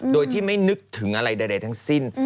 โดยที่ไม่นึกถึงอะไรใดทั้งสิ้น